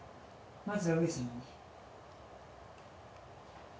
まずは上様に」